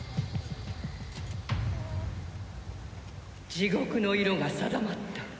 地獄の色が定まった。